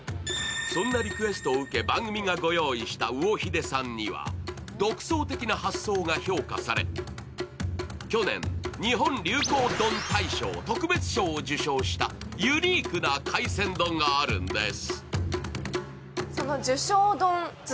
そんなリクエストを受け、番組がご用意した魚秀さんには独創的な発想が評価され、去年、日本流行丼大賞特別賞を受賞したユニークな海鮮丼があるんです。